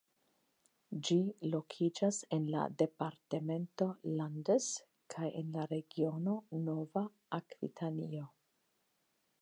Ĝi lokiĝas en la departemento Landes kaj en la regiono Nova Akvitanio.